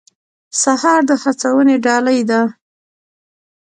سهار د هڅونې ډالۍ ده.